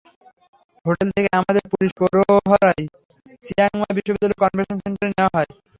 Hotel থেকে আমাদের police প্রহরায় চিয়াংমাই বিশ্ববিদ্যালয়ের কনভেনশন সেন্টারে নেওয়া হয়।